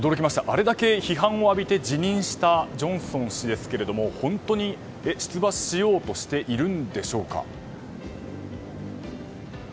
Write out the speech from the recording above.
あれだけ批判を浴びて辞任したジョンソン氏ですが本当に出馬しようとしているんでしょうか？